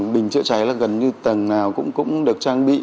bình chữa cháy là gần như tầng nào cũng được trang bị